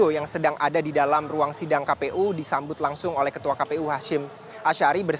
yang sedang ada di dalam ruang sidang kpu disambut langsung oleh ketua kpu hashim ashari